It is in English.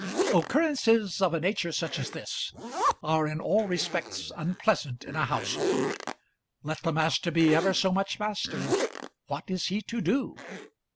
Occurrences of a nature such as this are in all respects unpleasant in a household. Let the master be ever so much master, what is he to do?